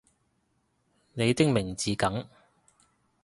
你的名字梗